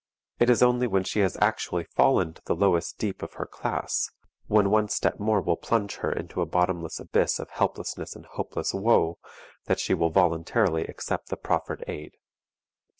It is only when she has actually fallen to the lowest deep of her class, when one step more will plunge her into a bottomless abyss of helpless and hopeless woe, that she will voluntarily accept the proffered aid.